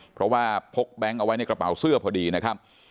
เพราะว่าพกแบงค์เอาไว้ในกระเป๋าเสื้อพอดีนะครับ